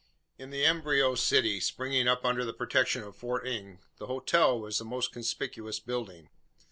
In the embryo city springing up under the protection of Fort Inge, the "hotel" was the most conspicuous building.